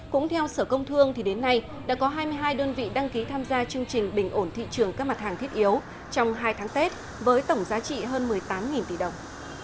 cũng theo sở công thương thì đến nay đã có hai mươi hai đơn vị đăng ký tham gia chương trình bình ổn thị trường các mặt hàng thiết yếu trong hai tháng tết với tổng giá trị hơn một mươi tám tỷ đồng